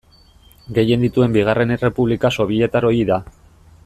Gehien dituen bigarren errepublika sobietar ohia da.